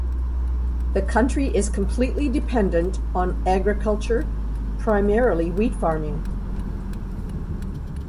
The county is completely dependent on agriculture, primarily wheat farming.